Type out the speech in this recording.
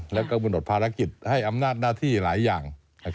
แล้วก็บุหนดภารกิจให้อำนาจหน้าที่หลายอย่าง